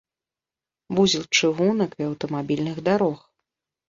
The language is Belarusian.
Вузел чыгунак і аўтамабільных дарог.